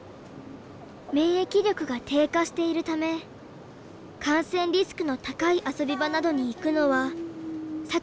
免疫力が低下しているため感染リスクの高い遊び場などに行くのは避けてきました。